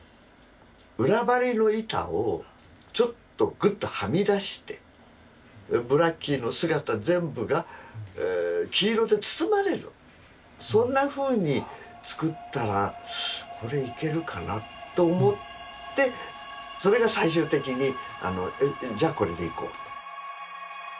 裏張りの板をちょっとぐっとはみ出してブラッキーの姿全部が黄色で包まれるそんなふうに作ったらこれいけるかなと思ってそれが最終的にじゃあこれでいこうと。